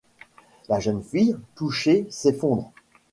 La jeune fille, touchée, s’effondre.